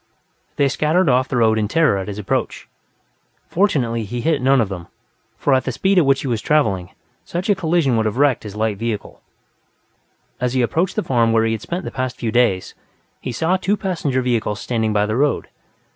They scattered off the road in terror at his approach; fortunately, he hit none of them, for at the speed at which he was traveling, such a collision would have wrecked his light vehicle. As he approached the farm where he had spent the past few days, he saw two passenger vehicles standing by the road.